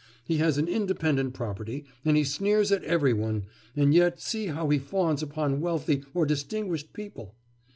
He has an independent property, and he sneers at every one, and yet see how he fawns upon wealthy or distinguished people!